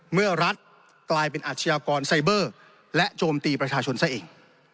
เมื่อรัฐกลายเป็นอาชญากรไซเบอร์และโจมตีประชาชนซะเอง